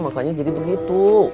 makanya jadi begitu